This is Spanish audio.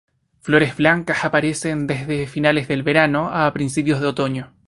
Flores blancas aparecen desde finales del verano a principios de otoño.